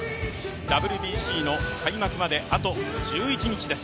ＷＢＣの開幕まであと１１日です。